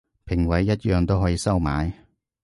評委一樣都可以收買